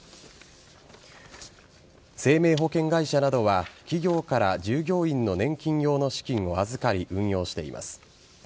生命保険会社などは企業から従業員の年金用の資金を預かり運用しています。